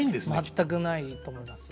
全くないと思います。